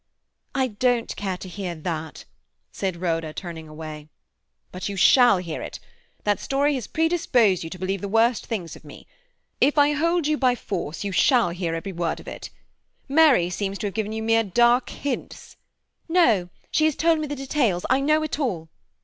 "I don't care to hear that," said Rhoda, turning away. "But you shall hear it. That story has predisposed you to believe the worst things of me. If I hold you by force, you shall hear every word of it. Mary seems to have given you mere dark hints—" "No; she has told me the details. I know it all."